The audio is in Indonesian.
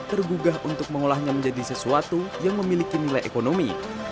tergugah untuk mengolahnya menjadi sesuatu yang memiliki nilai ekonomi